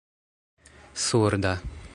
surda